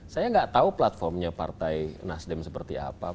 saya nggak tahu platformnya partai nasdem seperti apa